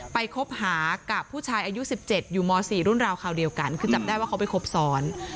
คบหากับผู้ชายอายุ๑๗อยู่ม๔รุ่นราวคราวเดียวกันคือจับได้ว่าเขาไปครบซ้อน